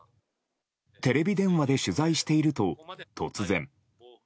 テレビ電話で取材していると突然。